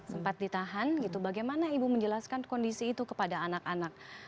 sempat ditahan gitu bagaimana ibu menjelaskan kondisi itu kepada anak anak